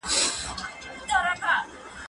زه کولای سم ليکنه وکړم؟